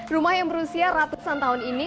rumah yang berusia ratusan tahun ini